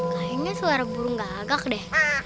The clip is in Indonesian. kayaknya suara burung gagak deh